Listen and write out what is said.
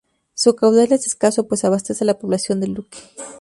Su caudal es escaso pues abastece la población de Luque.